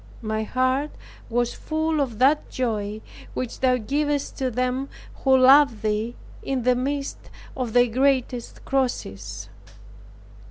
My heart was full of that joy which Thou givest to them who love Thee, in the midst of their greatest crosses.